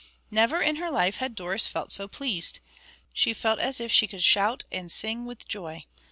Never in her life had Doris felt so pleased. She felt as if she could shout and sing with joy.